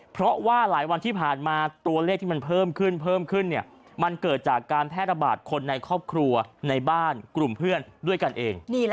เพราะว่าหลายวันที่ผ่านมาตัวเลขที่มันเพิ่มขึ้นเพิ่มขึ้นมันเกิดจากการแพร่ระบาดคนในครอบครัวในบ้านกลุ่มเพื่อนด้วยกันเอง